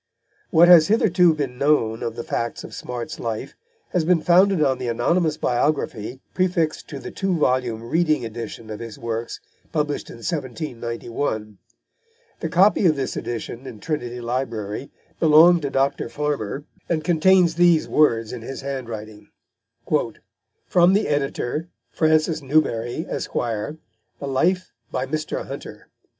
What has hitherto been known of the facts of Smart's life has been founded on the anonymous biography prefixed to the two volume Reading edition of his works, published in 1791. The copy of this edition in Trinity Library belonged to Dr. Farmer, and contains these words in his handwriting: "From the Editor, Francis Newbery, Esq.; the Life by Mr. Hunter."